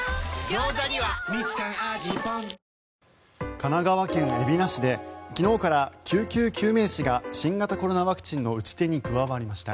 神奈川県海老名市で昨日から、救急救命士が新型コロナワクチンの打ち手に加わりました。